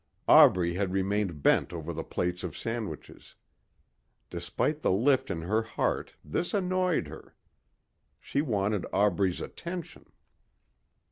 Aubrey had remained bent over the plates of sandwiches. Despite the lift in her heart this annoyed her. She wanted Aubrey's attention.